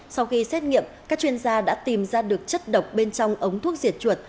sau khi xét nghiệm các chuyên gia đã tìm ra được chất độc bên trong ống thuốc diệt chuột